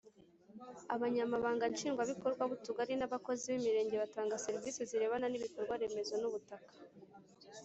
abanyamabanga nshingwabikorwa b’utugari n’abakozi b’imirenge batanga serivisi zirebana n’ibikorwa remezo n’ubutaka;